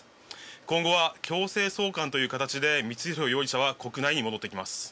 今後は強制送還という形で光弘容疑者は国内に戻ってきます。